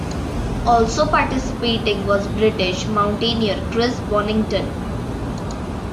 Also participating was British mountaineer Chris Bonington.